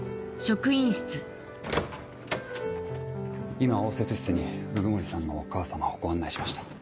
今応接室に鵜久森さんのお母さまをご案内しました。